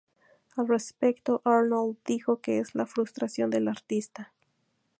Al respecto Arnold dijo que "es la frustración del artista.